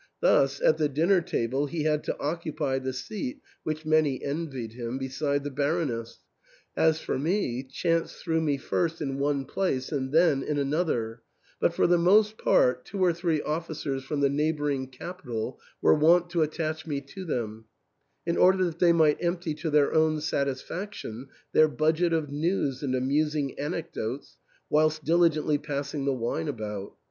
Thus, at the dinner table he had to occupy the seat — which many envied him — be side the Baroness ; as for me, chance threw me first in one place and then in another ; but for the most part, two or three ofl&cers from the neighbouring capital were wont to attach me to them, in order that they might empty to their own satisfaction their budget of news and amusing anecdotes, whilst diligently passing the wine about.